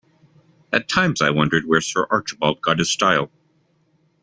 At times I wondered where Sir Archibald got his style.